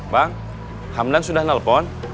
bang hamdan sudah nelfon